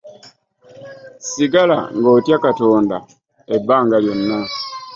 Sigala ng'otya Katonda ebbanga lyonna.